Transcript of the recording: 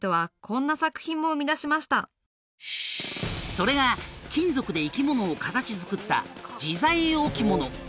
それが金属で生き物を形づくった自在置物